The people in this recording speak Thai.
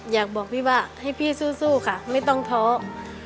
อยากบอกพี่ว่าให้พี่สู้ค่ะไม่ต้องท้อ